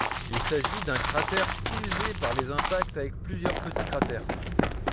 Il s'agit d'un cratère usé par les impacts avec plusieurs petits cratères.